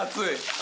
あ。